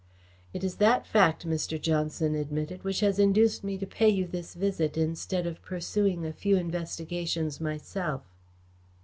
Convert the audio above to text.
"It is that fact," Mr. Johnson admitted, "which has induced me to pay you this visit instead of pursuing a few investigations myself."